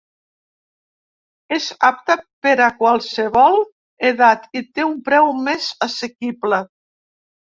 És apte per a qualsevol edat i té un preu més assequible.